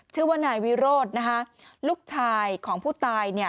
ชื่อว่านายวิโรธนะคะลูกชายของผู้ตาย